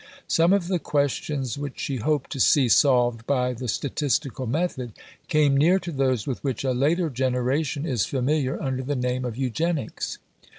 Some of the questions which she hoped to see solved by the statistical method came near to those with which a later generation is familiar under the name of Eugenics.